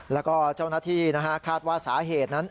แล้วก็เจ้าหน้าที่คาดว่าสาเหตุนั้น